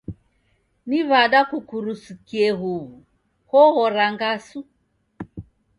Ni w'ada kukurusikie huw'u? Koghora ngasu?